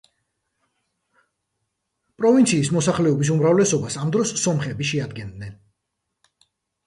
პროვინციის მოსახლეობის უმრავლესობას ამ დროს სომხები შეადგენდნენ.